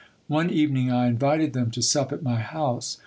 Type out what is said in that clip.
One even ing I invited them to sup at my house.